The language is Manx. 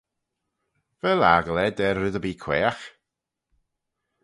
Vel aggle ayd er red erbee quaagh?